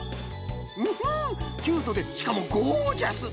むふキュートでしかもゴージャス！